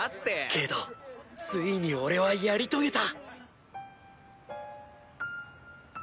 けどついに俺はやり遂げた！